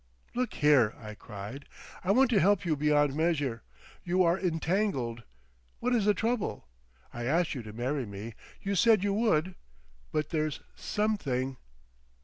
"Look here!" I cried. "I want to help you beyond measure. You are entangled. What is the trouble? I asked you to marry me. You said you would. But there's something."